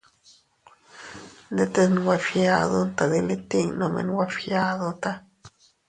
Ndetes nwe fgiadu, tadilitin nome nwe fgiaduta.